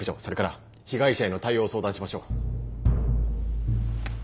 それから被害者への対応を相談しましょう。